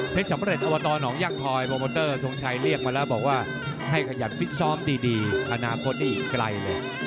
สำเร็จอบตหนองย่างทอยโปรโมเตอร์ทรงชัยเรียกมาแล้วบอกว่าให้ขยันฟิกซ้อมดีอนาคตนี่อีกไกลเลย